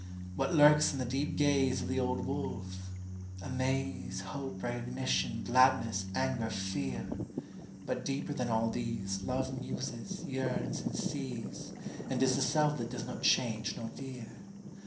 …What lurks in the deep gazeOf the old wolf? Amaze, Hope, recognition, gladness, anger, fear. But deeper than all theseLove muses, yearns, and sees, And is the self that does not change nor veer.